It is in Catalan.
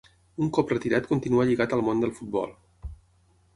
Un cop retirat continuà lligat al món del futbol.